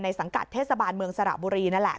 สังกัดเทศบาลเมืองสระบุรีนั่นแหละ